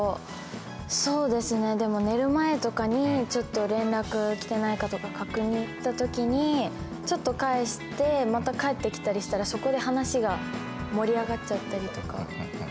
でも寝る前とかにちょっと連絡来てないかとか確認行った時にちょっと返してまた返ってきたりしたらそこで話が盛り上がっちゃったりとか。